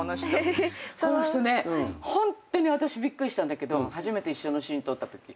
ホントに私びっくりしたんだけど初めて一緒のシーン撮ったとき。